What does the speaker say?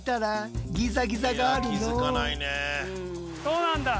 そうなんだ。